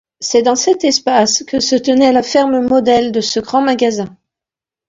C'est dans cet espace que se tenait la ferme modèle de ce grand magasin.